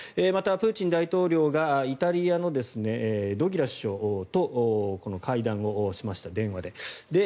また、プーチン大統領がイタリアのドラギ首相とこの会談をしました、電話で。